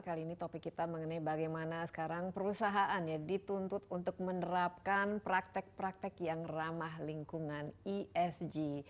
kali ini topik kita mengenai bagaimana sekarang perusahaan ya dituntut untuk menerapkan praktek praktek yang ramah lingkungan esg